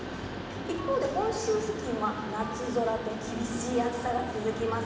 一方で本州付近は夏空と厳しい暑さが続きます。